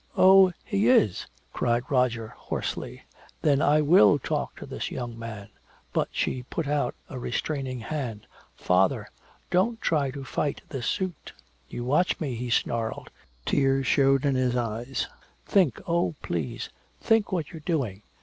"Oh! He is!" cried Roger hoarsely. "Then I will talk to this young man!" But she put out a restraining hand: "Father! Don't try to fight this suit!" "You watch me!" he snarled. Tears showed in her eyes: "Think! Oh, please! Think what you're doing!